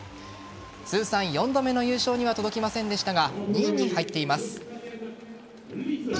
通算４度目の優勝には届きませんでしたが２位に入っています。